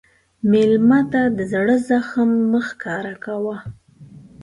مېلمه ته د زړه زخم مه ښکاره کوه.